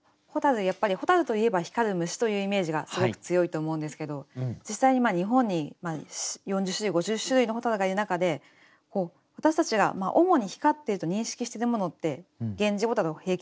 やっぱり蛍といえば光る虫というイメージがすごく強いと思うんですけど実際に日本に４０種類５０種類の蛍がいる中で私たちが主に光っていると認識しているものってゲンジボタルヘイケボタル